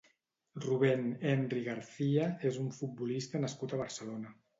Rubén Enri García és un futbolista nascut a Barcelona.